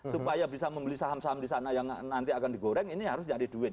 supaya bisa membeli saham saham di sana yang nanti akan digoreng ini harus nyari duit